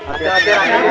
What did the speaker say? terima kasih raden